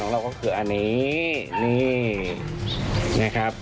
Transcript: เราก็คืออันนี้นี่นะครับ